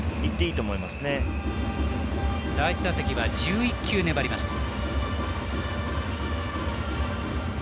第１打席は１１球粘りました。